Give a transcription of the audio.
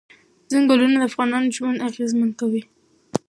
چنګلونه د افغانانو ژوند اغېزمن کوي.